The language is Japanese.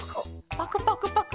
パクパクパク。